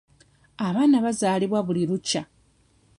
Abaana bazaalibwa buli lukya.